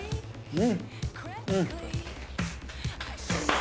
うん。